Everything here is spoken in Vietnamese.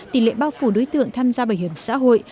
tỷ lệ bao phủ đối tượng tham gia bảo hiểm xã hội